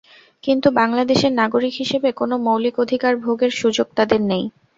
কিন্তু বাংলাদেশের নাগরিক হিসেবে কোনো মৌলিক অধিকার ভোগের সুযোগ তাঁদের নেই।